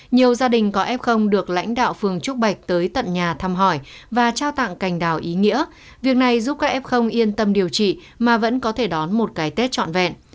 nhiều gia đình có f được lãnh đạo phường trúc bạch tới tận nhà thăm hỏi và trao tặng cành đào ý nghĩa việc này giúp các em không yên tâm điều trị mà vẫn có thể đón một cái tết trọn vẹn